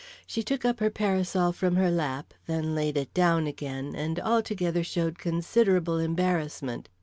She took up her parasol from her lap, then laid it down again, and altogether showed considerable embarrassment.